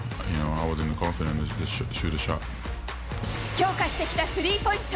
強化してきたスリーポイント。